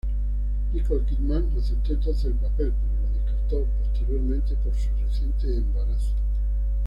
Nicole Kidman aceptó entonces el papel, pero lo descartó posteriormente, por su reciente embarazo.